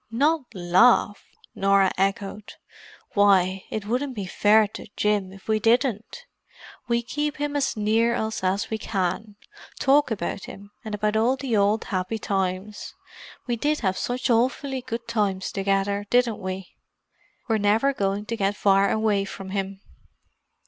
"Not laugh!" Norah echoed. "Why, it wouldn't be fair to Jim if we didn't. We keep him as near us as we can—talk about him, and about all the old, happy times. We did have such awfully good times together, didn't we? We're never going to get far away from him."